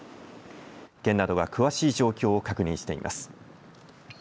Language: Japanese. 県などは詳しい状況を確認しています。